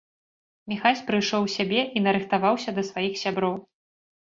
Міхась прыйшоў у сябе і нарыхтаваўся да сваіх сяброў.